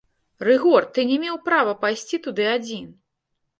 Рыгор, ты не меў права пайсці туды адзін!